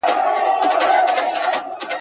د «خپل شته» په څېر واک درلودی